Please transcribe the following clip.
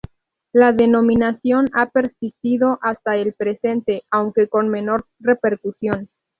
La denominación ha persistido hasta el presente, aunque con menor repercusión.